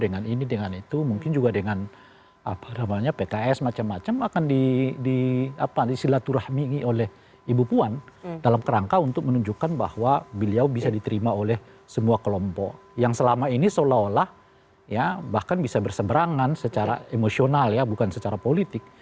dengan ini dengan itu mungkin juga dengan pks macam macam akan disilaturahmi oleh ibu puan dalam kerangka untuk menunjukkan bahwa beliau bisa diterima oleh semua kelompok yang selama ini seolah olah bahkan bisa berseberangan secara emosional ya bukan secara politik